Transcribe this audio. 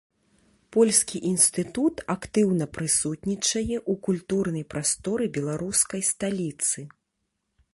Польскі інстытут актыўна прысутнічае у культурнай прасторы беларускай сталіцы.